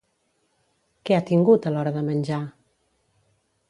Què ha tingut a l'hora de menjar?